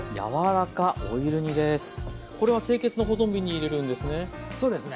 これは清潔な保存瓶に入れるんですね。